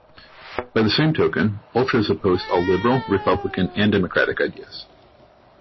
By the same token, Ultras opposed all liberal, republican and democratic ideas.